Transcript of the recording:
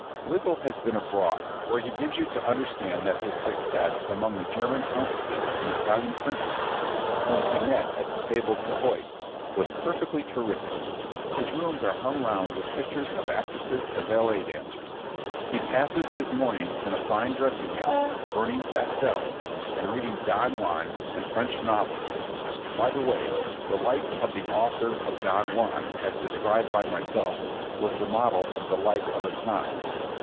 Wiggle has been abroad, where he gives you to understand that his success among the German countesses and Italian princesses, whom he met at the TABLES D'HOTE, was perfectly terrific. His rooms are hung round with pictures of actresses and ballet dancers. He passes his mornings in a fine dressing gown, burning pastilles, and reading 'Don Juan' and French novels (by the way, the life of the author of 'Don Juan,' as described by himself, was the model of the life of a Snob).